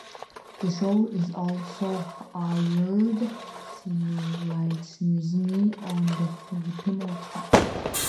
The show also aired simultaneously on The Filipino Channel.